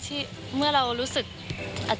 ชอบโมโหใส่คุณนิกเลยนะครับ